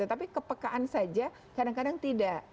tetapi kepekaan saja kadang kadang tidak